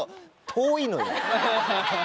遠いのよ。